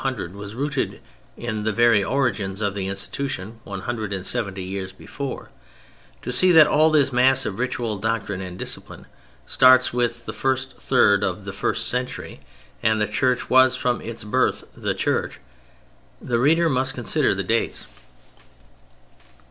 200 was rooted in the very origins of the institution one hundred and seventy years before, to see that all this mass of ritual, doctrine and discipline starts with the first third of the first century, and the Church was from its birth the Church, the reader must consider the dates.